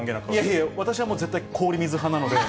いえいえ、私は絶対、氷水派なので。